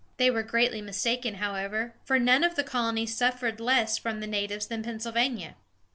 They were greatly mistaken, however, for none of the colonies suffered less from the natives than Pennsylvania.